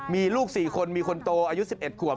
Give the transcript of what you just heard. มีลูกสี่คนมีคนโตอายุทธิ์๑๑ขวบ